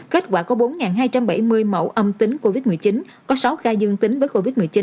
kết quả có bốn hai trăm bảy mươi mẫu âm tính covid một mươi chín có sáu ca dương tính với covid một mươi chín